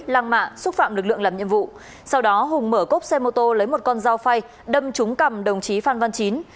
lang mạ xúc phạm lực lượng làm nhiệm vụ sau đó hùng mở cốc xe mô tô lấy một con dao phay đâm trúng cầm đồng chí phạm văn chín